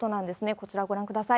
こちらをご覧ください。